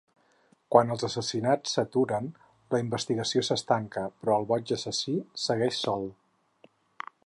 Quan els assassinats s'aturen, la investigació s'estanca, però el boig assassí segueix solt.